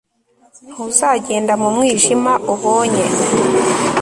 ntuzagenda mu mwijima, ubonye